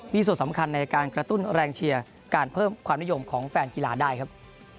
มีส่วนสำคัญในการกระตุ้นแรงเชียร์การเพิ่มความนิยมของแฟนกีฬาได้ครับ